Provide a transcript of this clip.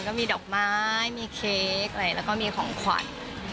ก็มีดอกไม้มีเค้กอะไรแล้วก็มีของขวัญ